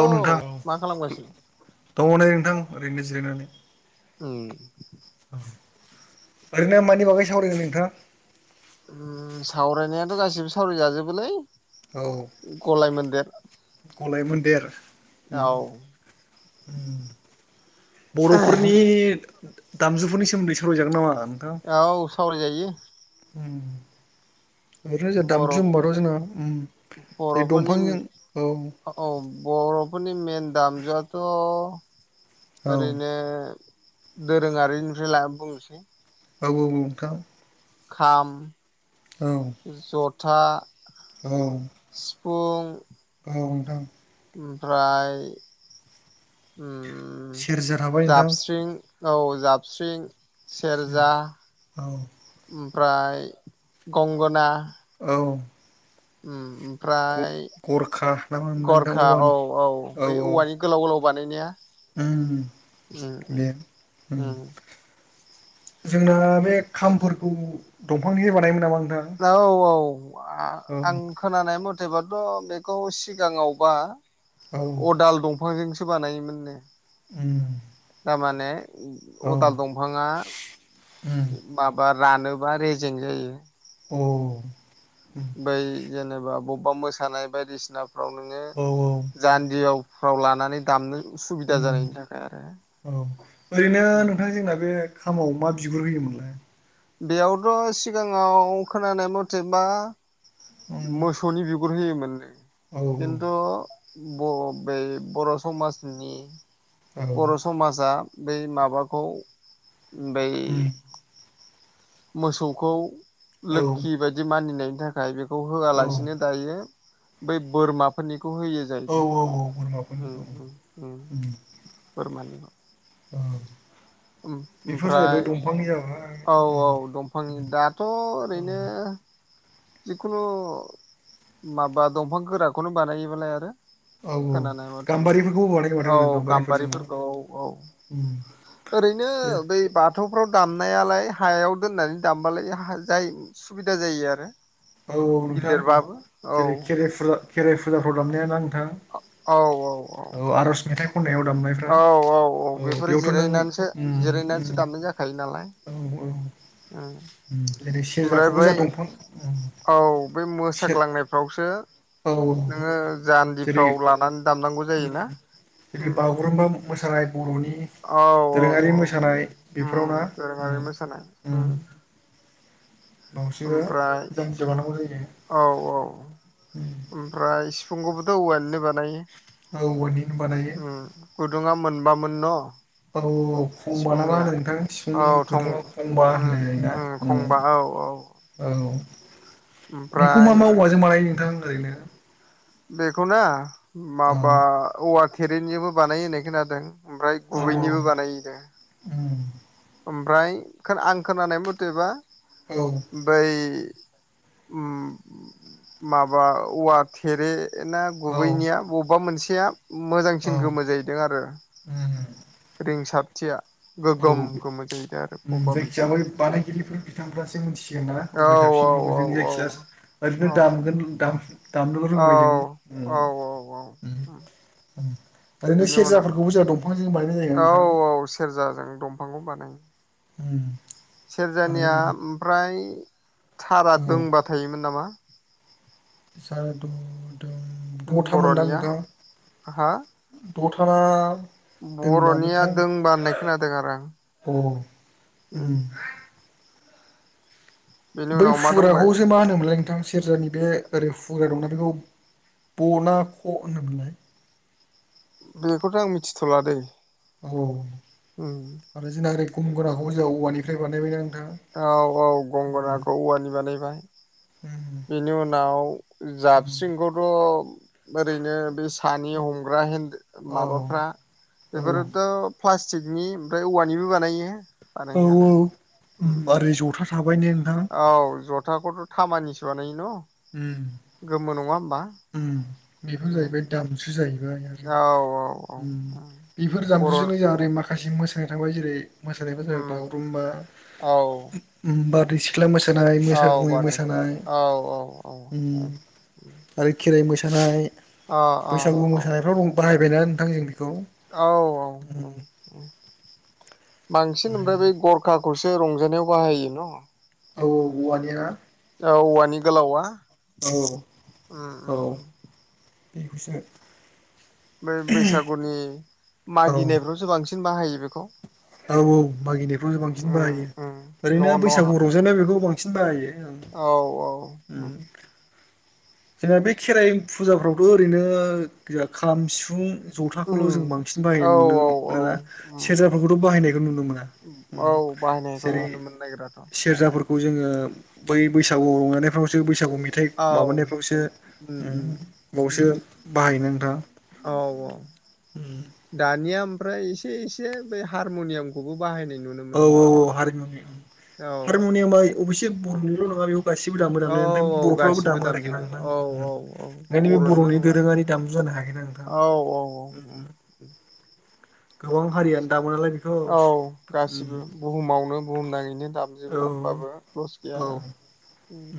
औ नोंथां औ मा खालामगासिनो दङ नै नोंथां ओरैनो जिरायनानै उम ओरैनो मानि बागै सावरायगोन नोंथाङां? सावरायनायाथ' गासिबो सावराय जाजोबोलै औ गलाय मन्दिर गलाय मोन्देर औ बर'फोरनि दामजुफोरनि सोमोन्दै सावरायजागोन नामा? नोंथां औ सावराय जायो। ओरैनो जों बर' दामजु होनबाथ' जोंङो बर'फोरनि औ बर'फोरनि मेन दामजुआथ' औ ओरैनो दोरोङारिनिफ्राय ल बुंनोसै औ औ नोंथां खाम औ [inaudible] जथा औ हुं औ नोंथां ओमफ्राय उम सेरजा थाबाय नोंथां जाबस्रिं औ जाबस्रिं सेरजा औ ओमफ्राय गंगोना औ उम फ्राय गरखा ना मा होनोमोनलाय नोंथां गरखा औ औवानि औ बै औवानि गोलाव गोलाव बानायनाया उम उम दे उम जोंना बे खामफोरखौ दंफांनिनो बानायोमोन नामा नों औ औ आ आं औ खोनानाय मथ थैबाथ' बेखौ सिगाङावबा औ अदाल दं फांजोंसो बानायोमोननो उम माने औ अदाल दंफाङा उम माबार रानोबा रेजें जायो औ बै जेनोबा बबा मोसानाय बायदिसिनाफ्राव नोङो औ जान्दियाव फ्राव लानानै दामनो सुबिदा जानायनि थाखाय आरो ओं औ ओरैनो नोंथां जोंना बे खामाव मा बिगुर होयोमोनलाय बेयावथ' सिगाङाव खोनानाय मथे बा उम मोसौनि बिग गुर होयोमोन नो औ खिन्थु बर' बै बर' समाजनि औ बर' समाजा बै माबाखौ बै उम मोसौखौ औ लोखि बायदि मानिनायनि थाखाय बेखौ औ होआलासिनो दायो बै बोरमाफोरनि खौ होयो औ जाहैदों ओं बोरमाफोरनिखौ ओं ओं उम बोरमानि औ ओम बेफोर ओमफ्राय जाहैबाय दंफांनि जाबाय औ उम औ दंफांनि दाथ' ओरैनो औ जिखुनु माबा दंफां गोराखौनो बानायोबालाय आरो औ खोनानाय मथेबा गाम्बारिफोरखौबो बानायो औ गाम्बारिफोरखौ औ उं ओरैनो बै बाथ बाथौफ्राव दामनायालाय हायाव दोननानै दामबालाय जाय सुबिदा जायो आरो औ औ नोंथां गिलिरबाबो औ जेरै खेराइ फुजा खेराइ फुजाफ्राव दामनाया नां हो औ औ औ आरज मेथाइ खन्नायाव दामनायफ्रा औ औ औ बेफोरो बेयावथ' नों जिरायनानैसो उम उम जिरायनानैसो दामनाय जाखायो नालाय औ औ उम जेरै ओमफ्राय सेरजाखौबो बै जा दंफां उम औ बे सेर मोसाग्लांनायफ्रावसो औ औ नोङो जेरै जान्दिफ्राव लानानै दामनांगौ उम जायोना जुदि बागुरुम्बा मोसानाय बर'नि औ औ दोरोङारि औ मोसानाय बेफोराव ना दोरोङारि मोसानाय ओं [inaudible] [unintelligible] ओमफ्राय जान्जि बानांगौ जायो औ औ उम ओमफ्राय सिफुंखौबोथ' औवानिनो बानायो औ औवानिनो बानायो दुङा मोनबामोन न' औ खंबा ना मा सिफुंनिया होनो नोंथां औ सिफुंनि थं गुदुङाव खंबा उं होनलायलायोना उं खंबा औ अऔ औ बेखौ मा मा औवाजों बानायो नोंथां ओरैनो बेखौ ना औ माबा औवा थेरेनिबो बानायो होननाय खोनादों ओमफ्राय औ औ गुबैनिबो बानायोदा उम ओमफ्राय आं खोनानाय मथेबा औ बै माबा औवा थेरे। ा औ गुबैनिया बबेबा मोनसेया मोजांसिन गोमो जाहैदों आरो ह रिंसारथिया गोगोम गोमो जायो। जायखिज बै बानायगिरिफोर बिथांफ्रासो मिथिगोन ना औ अबाय थाबसिन औ जों औ जायखिया औ [unintelligible] औ ओरैनो दामगोन दामनो औ रोंबाय जो औ औ औ [unintelligible] ओरैनो बिनि उनाव सेरजाफोरखौबो जा दं औ औ सेरजाजों दंफांखौ बानायो। ओम सेरजानिया ओमफ्राय थारा दोंबा थायोमोन नामा? सा दङ दं द' था मोनदां बर'निया नोंथां उम हा द थानाब बर'निया दोंबा होननाय खोनादों आरो आं। अ उम [unintelligible] बेनि बै उनाव मा दंबाय फुराखौसो मा होनोमोनलाय नोंथां? सेरजानि बे ओरै हुग्रा दंना बेखौ बना ख होनोमोनलाय? ओ बेखौथ' आं मिथिथ'ला दै औ उम आरो जोंना ओरै कम गोराखौबो जों औवानिफ्राय बानायबाय जां औ औ गंगनाखौ औवानि बानायबाय। उम बेनि उनाव उम जाबस्रिंखौथ' ओरैनो बेस सानि हमग्रा हिन्द ओ औ माबाफ्रा औ बेफोरोथ' फास्टिकनि ओमफ्राय औवानिबो बानायो। औ बानायनायालाय औ बेखौ उम ओरै जथा थाबाय ने नोंथां? थाखौथ' थामानिसो बानायो न उम गोमो नङा होमबा? उम बेफोर उम जाहैबाय दामजु जाहैबाय आरो औ औ औ उम बेफोर बर' दामजुजोंनो जाहाथे माख खासे मोसानाय थाबाय जेरै मोसानायबा जाबाय उम बागुरुम बा बा औ उम उम बा दै सिख्ला मोसानाय मोसाखावरि मोसानाय अ अ उम जेरै मोसानाय अ औ बैसागु मोसानायफ्राव बाहायबाय ना नोंथां जों बेख औ औ ओ उम बांसिन ओमफ्राय बै गरखा खौसो रंजानायाव बाहायो न? औ औ औवानि ना? औवानि गोलावा औ उम औ उम उम बेखौसो मो बैसागुनि औ मागिनायफ्रावसो बांसिन बाहायो बेखौ। औ औ मागिनायफ्राव उम बांसिन बाहायो उम ओरैनो न' न' हा बैसागु रंजानाय बेखौ बांसिन बाहायो। औ औ उम जोंना बे खेराइ फुजाफ्रावथ' ओरैनो जा खाम, सिफुं ज ज'थाखौल' उम जों बांसिन बाहायनाय औ नुनो औ औ मोनोना उम सेरजाफोरखौथ' बाहायनायखौ नुनो मोना। औ उम बाहायनायखौ जेरै नुनो मोननो नागिराथ' सेरजाफोरखौ जोङो ओम बै बैसागु रंजानायफ्रावसो बैसागु मेथाइ माबानाय उम उम उम उम बाहायोना फरायनाया नोंथां खाव अ दानिया ओमफ्राय एसे एसे बे हारमुनियामखौबो बाहायनाय नुनो मोनो औ माथो औ हारिमुनि औ हारिमुनियामा ऐ अबयसे बर'निल' नङा बे गासिबो दामो औ दामनाय ओमफ्राय औ बर'फ्राबो गासिबो दामो आरोखि ना दामजोबो नोंथां औ ओं औ औ नोंनि बर'निल' बर'नि नङा दोरोङारि दामजुआन नो हायो ना नोंथां औ औ औ उम उम [inaudible] गोबां हारियानो दामोन लाय बेखौ औ उम गासिबो बुहुमावनो बुहुम नाङैनो औ दामजोबो होमबाबो लस गैया औ आरो उम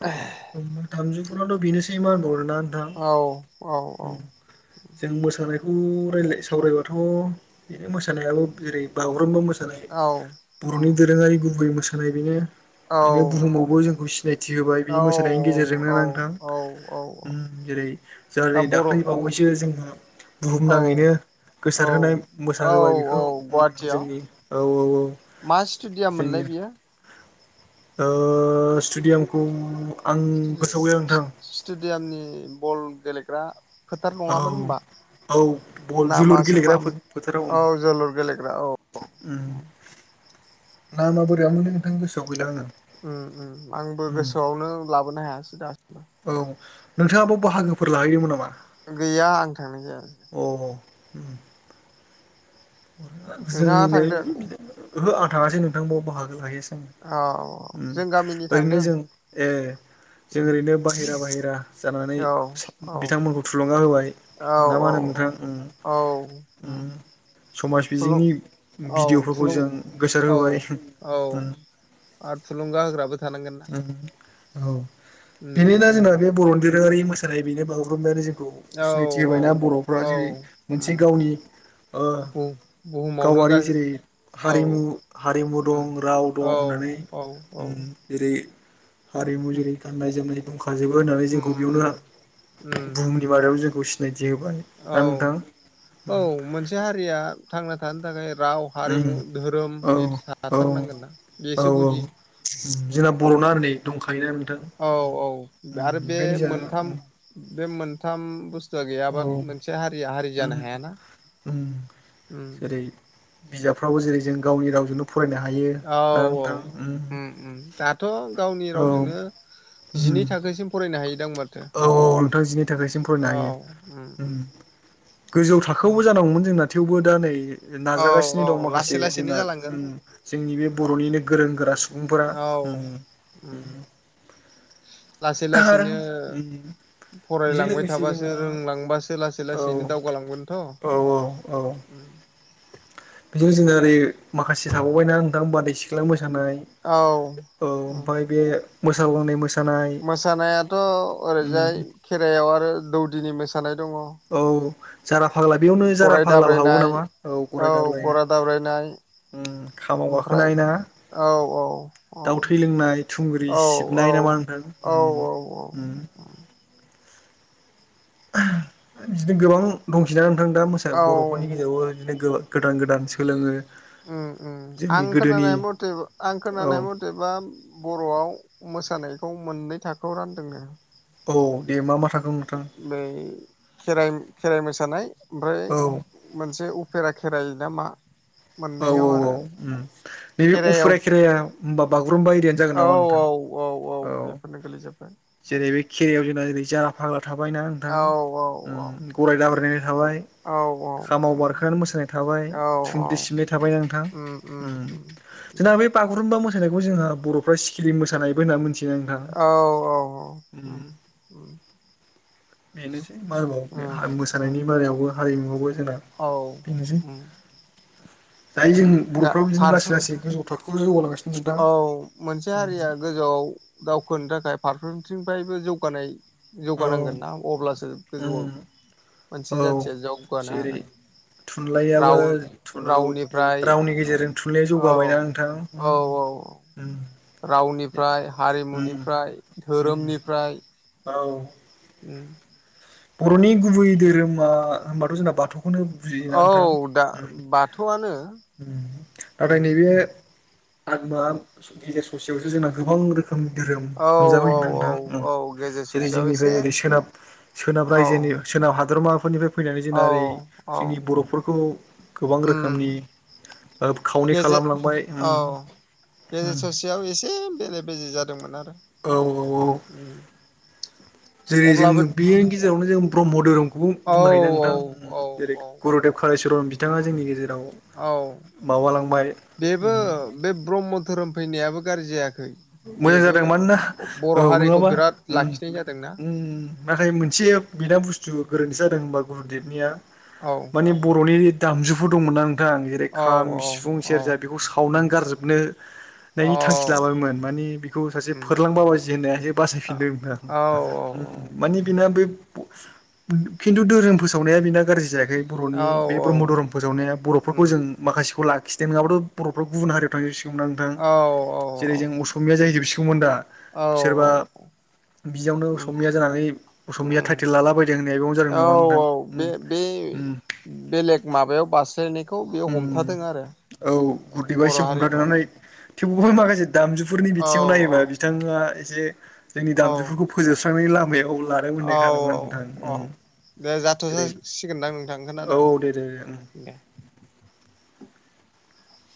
[unintelligible] ओमफाय थांजुफोरानोथ' बेनो से मानर दा नोंथां औ औ औ उम जों मोसानायख उम रायलाय सावरायबाथ' बेनो मोसानायाल' जेरै बागुरुम्बा मोस सानाय औ बर'नि उम दोरोङारि गुबै मोसानाय बेनो। औ बेनो बुहुमावबो जोंखौ सिनायथि होबाय। बे औ मोसानायनि गेजेरजोंनो औ ना नोंथां औ औ उम जेरै दा जोंहानि बर' दाख्लै औ बावैसो जोंहा औ बुहुमनाङैनो औ गोसारहोनाय मोसाहोबाय बेखौ औ उम गुवाहाटियाव जोंनि औ औ औ मा स्टेडियाम जोंनि मोनलाय बियो? ओ स्टेडयामखौ स्टेडे सि-सि स्टेडियामनि बल गेलेग्रा फोथार औ नङामोन होनबा औ बल जोलुर नामासो गेलेग्रा मामोन औ फोथाराव जोलुर गेलेग्रा औ [inaudible] नामा बोरैयामोनलै नोंथांनि गोसोआव गैला आङो ओम‌ओम आंबो उम गोसोआवनो लाबोनो हायासै दा औ नोंथाङा बो बाहागोफोर लाहैदोंमोन नामा? गैया आं थांनाय जायसै ओम नोंथाङा जोंनिनो थांदों ओहो आं थाङासै नोंथांयाव बाहागो लाहैयासै औ ओम जों गामिनि ओरैनो थांदों जों ए जों उम ओरैनो बाहेरा बाहेरा जानानै औ औ बिथांमोनखौ थुलुंगा होबाय औ ना मा होनो औ नोंथां ओम औ ओम उम समाज थुलुं बिजोंनि औ भिडिअ'फोरखौ थुलुं जों गोसार औ होबाय ओम औ आरो थुलुंगा होग्राबो थानांगोन ना औ उम बिनिनो जोंना बे बर' दोरोङारि मोसानाय बेनो बागुरुमबा जों औ सिनायथि होबायना औ बर'फ्रा औ जेरै मोनसे उम गावनि ओ बुहुमावनो गावारि गासै जेरै औ हारिमु हारिमु उम दं राव दं औ होननानै औ औ उम जेरै हारिमु जेरै गाननाय जोमनाय फाजोबो होननानै उम जोंखौ बेयावनो उम उम बुहुमनि बारायाव जोंखौ सिनाय थि होबाय औ ना नोंथां? औ मोनसे हारिया थांना थानो थाखाय राव उम हारिमु धोरोम औ बे औ थाथारनांगोन ना औ बेसो गुदि जोंना बर'ना नै दंखायोना नोंथां औ औ उम आरो बे बेखायनो मोनथाम जोंहा बे मोनथाम बुस्थु औ गैयाबा मोनसे हारिया हारि उम जानो हायाना ओम बिजाबफ्राबो जेरै जों गावनि रावजोंनो फरायनो हायो औ ना औ नोंथां ओम ओम दाथ' गावनि औ रावजोंनो जिनै थाखोसिम फरायनो हायो। औ औ नोंथां जिनै थाखायसिम फरायनो औ हायो उम उम ओम गोजौ उम थाखोआवबो जानांगौमोन जोंना थेवबो दा नै औ नाजागासिनो औ दं लासै माखासे लासैनो जोंना जालांगोन ओम जोंनि बे उम बर'निनो गोरों गोरा सुबुंफोरा ओं ओम लासै लासैनो ओम फरायलांबाय थाबासो रोंलांबासो लासै औ लासैनो दावगालांगोनथ' औ औ [inaudible] बेजों जोंना ओरै माखासे थाबावबायना नोंथां बारै सिख्ला मो सानाय औ औ उम ओमफ्राय बे मोसागलांनाय मोसानाय मोसानायाथ' ओरैजाय खेराइायाव आरो दौदिनि मोसानाय दङ। औ जारा फाग्ला बेयावनो जारा गराय फाग्लाबो हाबो दाब्रायनाय नामा औ गराय दाबलायनो गराय दाब्रायनाय ओ खामाव ओमफ्राय गाखोनाय ना औ औ औ दाउ थै लोंनाय थुंग्रि औ सिबनाय नामा नोंथां औ ओम ओम [inaudible] बिदिनो गोबां दंसै ना नोंथां दा मोसा औ बर'फोरनि गेजेरावबो बिदिनो गोबां गोदान गोदान सोलोङो [inaudible] जोंनि आं गोदोनि खोनानाय मथे आं औ खोनानाय मथेबा बर'आव मोसानाय खौ मोननै थाखोआव रानदोंनो। औ दे मा मा थागोन? ै खेर खेराइ मोसानाय ओमफ्राय औ मोनसे खेरा खेराय न मा औ मोननैयाव आरो औ उम नैबे खेराइायाव उफुराय खेराया होमबा बागुरुम्बा एरियानो जागोन औ नामा नोंथां औ औ बेफोरनो गोलैजोबबाय जेरै बे खरिायाव जोंना जेरै जला फाग्ला थाबायना नोंथां औ औ गराय उम दाब्रायनानै थाबाय। औ औ खामाव उम बारखोनानै मोसानाय थाबाय औ थ औ दिसिमनाय थाबाय नोंथां उम उम उम जोंना बे बागुरुम्बा मोन मोसानायखौ जोंहा बर'फ्रा सि्किलि मोसानायबो होनना मिथि औ औ औ बेनोसै मालबाव उम मोसानायनि उम बेारायावबो हारिमु जोंना औ बेनोसै उम जायो जों गा बर'फ्रा बिदिनो लासै फारफ्रो लासै गोजौ थाखोआव जौगाांांगो औ मोनसे हारिया गोजौआव दावखोनो थाखाय फारफ्रोमथिंफ्रायबो जौगानाय औ जौगानांगोन ना अब्लासो गोजौआव उम औ मोनसे जाथिया जौगानो जेरै हागोन। थुनलाइयाबो राव रावनिफ्राय रावनि गेजेरजों थुनलाइ औ जौगाबायना नोंथां। उम औ औ उम औ रावनिफ्राय उम हारिमुनिफ्राय उम धोरोमनिफ्राय औ उ बर'नि गुबै धोरोमा होनोमबाथ' जोंना बाथौ। बेखौनो औ बुजिनानैथां? दा बाथौआनो नाथाय नैबे आगमा गेजेर ससेयावसो जोंना गोबां रोखोम। रोखोम धोरोम औ नुजाबैग औ नोंथां औ गेजेर जेरै ससेयाव एसे जोंनिफ्राय ओरै सोनाब सोनाब औ रायजोनि सोनाब हादरमाफोरनिफ्राय फैनानै जोंना औ ओरै औ जोंनि बर'फोरखौ गोबां उम रोखोमनि खावनै गेजेर खालामलांबाय औ औ गेजेर ससेयाव एसे बेले बेजे जादोंमोन आरो। औ औ औ जेरै अब्लाबो जोङो बेनि गेजेरावनो जों ब्रह्म धोरोम बे खौ औ बुंनो हायोदा औ नोंथां औ जेरै औ गुरुदेब कालिचरन बिथाङा जोंनि गेजेराव। औ माबालांबाय बेबो बे ब्रह्म धोरोम फैनायाबो गाज्रि जायाखै। मोजां बेबो जादों मानोना औ बर' हारिखौ नङाबा बिराद लाखिनाय जादोंना नाथाय मोनसे बेना बुस्थु गोरोन्थि जादों होनबा गुरुदेबनिया औ माने बर'नि दामजुफोर दंमोन आं मोथां जेरै औ खाम सिफुं सेरजा औ बेखौ सावनानै उम औ गारजोबनोनायनि थांखि लाबायमोन। मानिे बेखौ सासे उम फोरलांबा बाजि होननाय एसे औ बासायफिनदोंमोन औ आं मानि बेना बे खिन्थु धोरोम फोसावनाया बिना गाज्रि जायाखै। बे औ बर'नि औ बे औ ब्रह्म धोरोम फोसावनाया बर'फोरखौ उम जों माखासेखौ लाग खिथायनाय नङाब्लााथ' बर'फ्रा गुबुन हारियाव थां सिगना नोंथां औ जेरै औ जों उम बिसौमोन दा औ बिसबा बिदियावनो उम असमिया जानानै असमिया थटाइटेल उम लाला बदों होननाय बेयावनो औ जादों नामा बे बे नोंथां? उम बेलेग माबायाव बारस्लानाय उम औ गुरदैबा बर' एसे हारिखौ हमथाथनानै थेवबोहाय माखासे दामजुफोरनि औ बिथिङाव नायोबा औ बिथाङा एसे जोंनि औ दामजुफोरखौ फोजोबस्रां नायनि लामायाव लादों औ मोननाय खादोंमोन आं औ नोंथां। औ दे जाथ' जेरै जासिगोनदां नोंथां औ खोनादों दे दे दे उम दे।